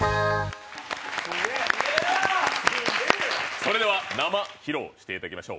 それでは生披露していただきましょう。